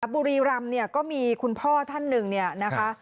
บุรีรำเนี่ยก็มีคุณพ่อท่านหนึ่งเนี่ยนะคะ